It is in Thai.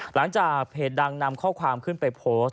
หลังจากเพจดังนำข้อความขึ้นไปโพสต์